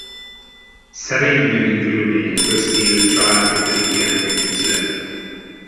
Szerény anyagi körülmények közt élő család ötödik gyermekeként született.